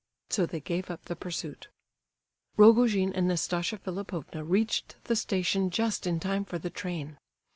So they gave up the pursuit. Rogojin and Nastasia Philipovna reached the station just in time for the train.